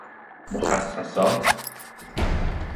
مخصصات